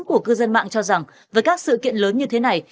của cư dân mạng cho rằng với các sự kiện lớn như thế này